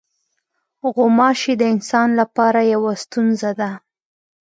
غوماشې د انسان لپاره یوه ستونزه ده.